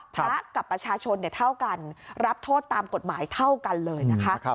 พระกับประชาชนเท่ากันรับโทษตามกฎหมายเท่ากันเลยนะคะ